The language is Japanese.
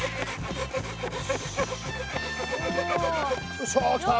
よいしょできた。